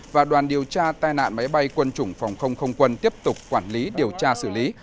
và đoàn điều tra tai nạn máy bay quân chủng phòng không không quân tiếp tục quản lý điều tra xử lý